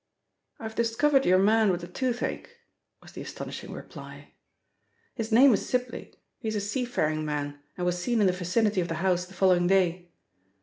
"I've discovered your man with the tooth ache," was the astonishing reply. "His name is Sibly; he is a seafaring man, and was seen in the vicinity of the house the following day.